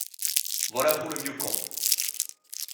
Voilà pour le vieux con.